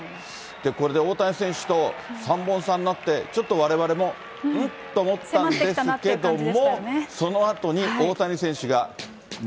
これで大谷選手と３本差になって、ちょっとわれわれもうん？と思ってたんですけども。